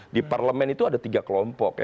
di parlemen itu ada tiga kelompok